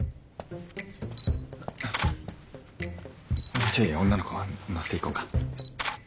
もうちょい女の子を乗せていこうか。